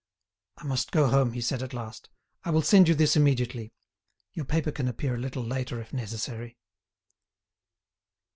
"I must go home," he said at last. "I will send you this immediately. Your paper can appear a little later, if necessary."